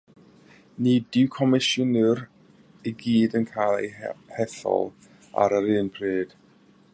Nid yw comisiynwyr i gyd yn cael eu hethol ar yr un pryd.